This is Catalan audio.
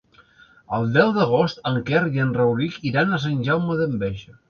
El deu d'agost en Quer i en Rauric iran a Sant Jaume d'Enveja.